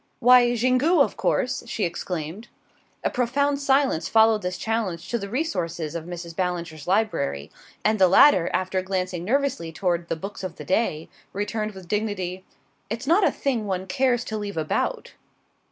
"Why, Xingu, of course!" she exclaimed. A profound silence followed this challenge to the resources of Mrs. Ballinger's library, and the latter, after glancing nervously toward the Books of the Day, returned with dignity: "It's not a thing one cares to leave about."